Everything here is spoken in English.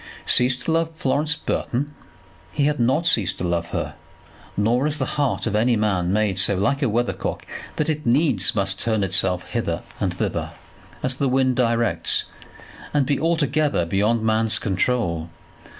Cease to love Florence Burton! He had not ceased to love her, nor is the heart of any man made so like a weather cock that it needs must turn itself hither and thither, as the wind directs, and be altogether beyond the man's control.